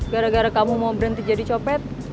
gara gara kamu mau berhenti jadi copet